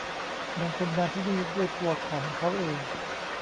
บางคนมาที่นี่ด้วยตัวของเค้าเอง